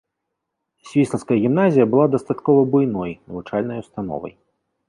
Свіслацкая гімназія была дастаткова буйной навучальнай установай.